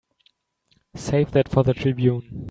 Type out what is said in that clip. Save that for the Tribune.